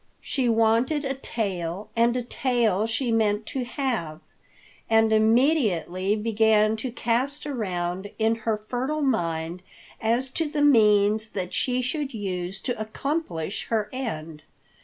She wanted a tail, and a tail she meant to have, and immediately began to cast around in her fertile mind as to the means that she should use to accomplish her end.